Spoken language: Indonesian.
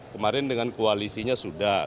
kemarin dengan koalisinya sudah